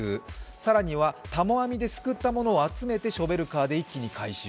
更には、たも網で救ったものをショベルカーで一気に回収。